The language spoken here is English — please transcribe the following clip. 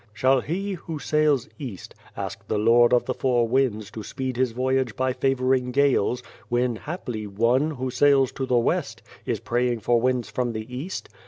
Shall he, who sails east, ask the Lord of the Four Winds to speed his voyage by favouring gales, when haply one, who sails to the west, is praying for winds from the east